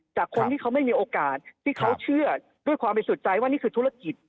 จากคนที่เขาไม่มีโอกาสที่เขาเชื่อด้วยความบริสุทธิ์ใจว่านี่คือธุรกิจ